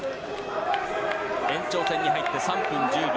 延長戦に入って３分１０秒。